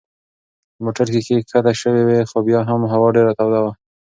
د موټر ښيښې کښته شوې وې خو بیا هم هوا ډېره توده وه.